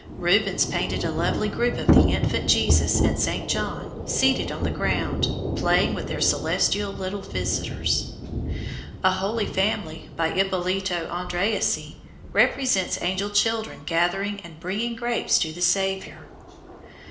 Rubens painted a lovely group of the Infant Jesus and Saint John, seated on the ground, playing with their celestial little visitors. A Holy Family, by Ippolito Andreasi, represents angel children gathering and bringing grapes to the Saviour.